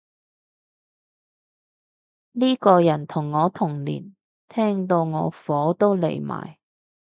呢個人同我同年，聽到我火都嚟埋